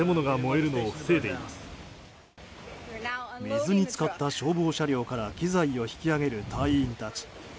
水に浸かった消防車両から機材を引き上げる隊員たち。